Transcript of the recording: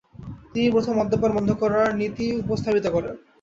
তিনিই প্রথম মদ্যপান বন্ধ করার নীতি উপস্থাপিত করেন।